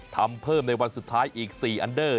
ทำเพิ่มในวันสุดท้ายอีก๔อันเดอร์